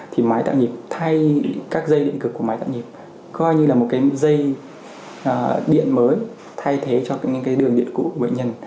thì máy tạo nhịp thay các dây điện cực của máy dạng nhịp coi như là một cái dây điện mới thay thế cho những cái đường điện cũ của bệnh nhân